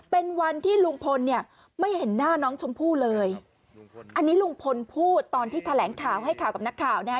เป็นวันที่ลุงพลเนี่ยไม่เห็นหน้าน้องชมพู่เลยอันนี้ลุงพลพูดตอนที่แถลงข่าวให้ข่าวกับนักข่าวนะฮะ